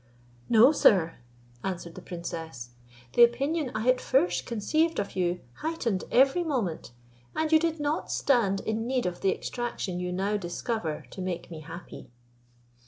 "No, sir," answered the princess, "the opinion I at first conceived of you heightened every moment, and you did not stand in need of the extraction you now discover to make me happy."